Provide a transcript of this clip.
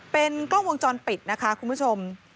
เป็นกล้องวงจรปิดนะคะคุณผู้ชม